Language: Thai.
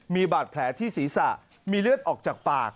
มีบาดแผลที่ศีรษะมีเลือดออกจากปาก